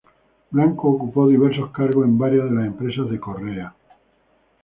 Blanco ocupa diversos cargos en varias de las empresas de Correa.